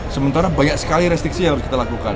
sementara banyak sekali restriksi yang harus kita lakukan